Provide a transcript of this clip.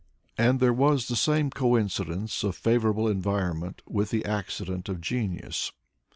And there was the same coincidence of favorable environment with the accident of genius.